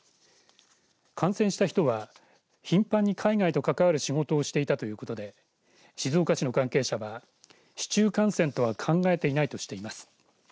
感染した人は、頻繁に海外と関わる仕事をしていたということで静岡市の関係者は市中感染とは考えていないとしています。